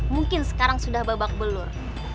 mungkin sekarang sudah babak belur